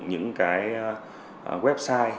những cái website